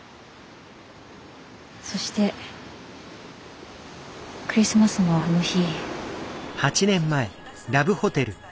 そしてクリスマスのあの日。